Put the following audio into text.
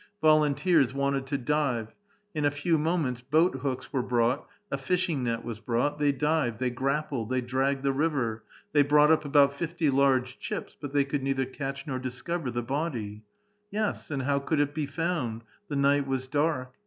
Volunteers wanted to dive ; in a few moments boat hooks were brought, a fishing net was brought ; they dived, they grappled, they dragged the river; they brought up about fifty large chips, but they could neither catch nor discover the body. Yes ; and how could it be found? The night was dark.